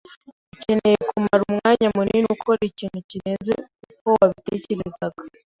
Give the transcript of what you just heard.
Ukeneye kumara umwanya munini ukora ikintu kirenze uko wabitekerezaga.